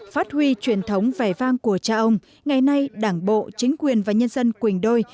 phát huy truyền thống vẻ vang của cha ông ngày nay đảng bộ chính quyền và nhân dân quỳnh đôi